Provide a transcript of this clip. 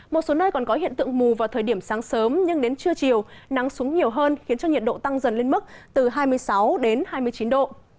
một số nơi còn có hiện tượng mù vào thời điểm sáng sớm nhưng đến trưa chiều nắng xuống nhiều hơn khiến cho nhiệt độ tăng dần lên mức từ hai mươi sáu đến hai mươi chín độ